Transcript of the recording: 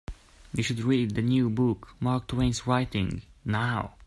You should read the new book Mark Twain's writing now.